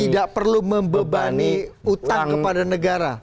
tidak perlu membebani utang kepada negara